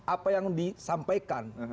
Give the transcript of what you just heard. apa yang disampaikan